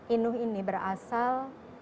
inuh ini berasal